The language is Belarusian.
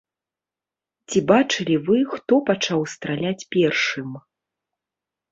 Ці бачылі вы, хто пачаў страляць першым?